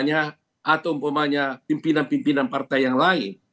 atau umpamanya pimpinan pimpinan partai yang lain